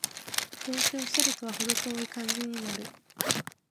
どうせオシャレとはほど遠い感じになる